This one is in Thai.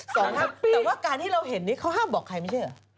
แต่ว่าการที่เราเห็นนี้เขาห้ามบอกใครไม่ใช่เหรอ